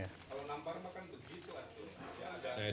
kalau nampar makan begitu